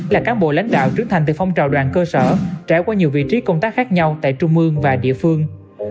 là cán bộ lãnh đạo trưởng thành từ phong trào đoàn cơ sở trải qua nhiều vị trí công tác khác nhau tại trung ương và địa phương